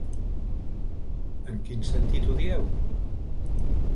En quin sentit ho dieu?